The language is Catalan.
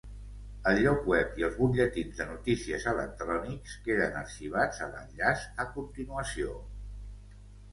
El lloc web i els butlletins de notícies electrònics queden arxivats a l'enllaç a continuació.